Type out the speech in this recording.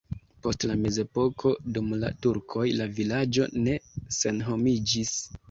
Post la mezepoko dum la turkoj la vilaĝo ne senhomiĝis.